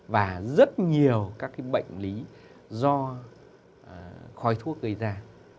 và rất nhiều các bệnh lý do khói thuốc gây ra